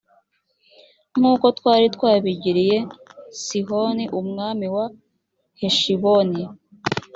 nk’uko twari twabigiriye sihoni umwami wa heshiboni